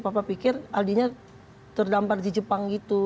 papa pikir aldi nya terdampar di jepang gitu